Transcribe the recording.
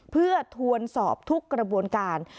เพื่อทวนสอบทุกกระบวนการ